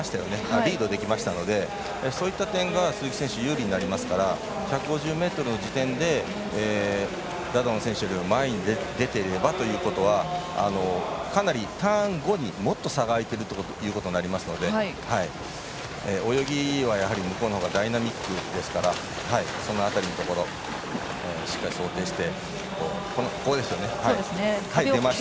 リードできましたのでそういった点が鈴木選手は有利になりますから１５０ｍの時点でダダオン選手よりも前に出ていればということはかなりターン後にもっと差が開いているということになりますので泳ぎは、やはり向こうのほうがダイナミックですからその辺りのところしっかり想定して。